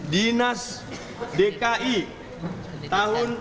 dinas dki tahun